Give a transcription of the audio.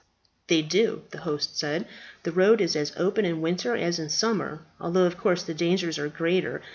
"They do," the host said. "The road is as open in winter as in summer, although, of course, the dangers are greater.